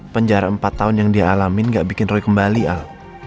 penjara empat tahun yang dia alamin gak bikin roy kembali al